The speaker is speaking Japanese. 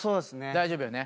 大丈夫やね。